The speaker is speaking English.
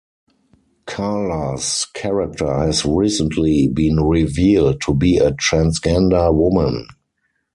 Karla's character has recently been revealed to be a transgender woman.